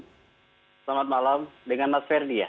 selamat malam dengan mas ferdi ya